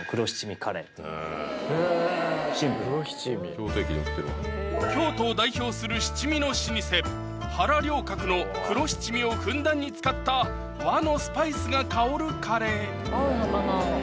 へぇシンプルな京都を代表する七味の老舗・原了郭の黒七味をふんだんに使った和のスパイスが香るカレー合うのかな？